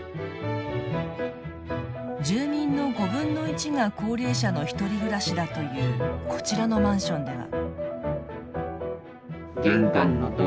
住民の５分の１が高齢者のひとり暮らしだというこちらのマンションでは。